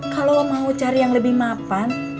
kalau mau cari yang lebih mapan